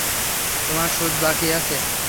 তোমার সুদ বাকি আছে।